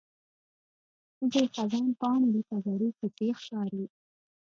د خزان پاڼې لکه زړې کیسې ښکاري